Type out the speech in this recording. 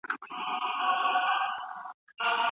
تاسو به له خپلو غړو سره په مینه چلند کوئ.